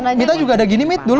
dulu mita juga ada gini mit dulu